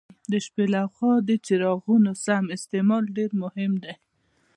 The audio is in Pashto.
د شپې له خوا د څراغونو سم استعمال ډېر مهم دی.